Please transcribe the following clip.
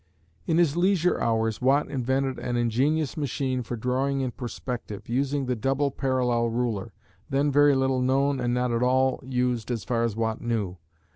In his leisure hours, Watt invented an ingenious machine for drawing in perspective, using the double parallel ruler, then very little known and not at all used as far as Watt knew.